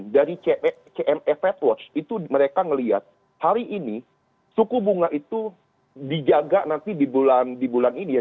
dari kme fedwatch itu mereka ngeliat hari ini suku bunga itu dijaga nanti di bulan ini ya